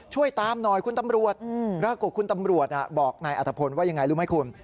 ช่วยตามหน่อยคุณตำรวจปรากฏคุณตำรวจบอกนายอัตภพลว่ายังไงรู้ไหมคุณ